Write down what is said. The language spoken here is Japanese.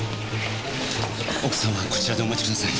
奥さんはこちらでお待ちください。